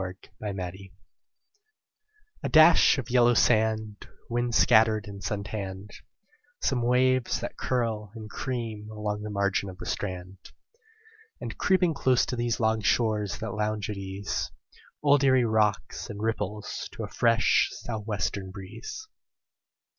ERIE WATERS A dash of yellow sand, Wind scattered and sun tanned; Some waves that curl and cream along the margin of the strand; And, creeping close to these Long shores that lounge at ease, Old Erie rocks and ripples to a fresh sou' western breeze.